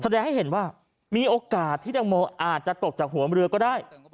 แสดงให้เห็นว่ามีโอกาสที่แตงโมอาจจะตกจากหัวเรือก็ได้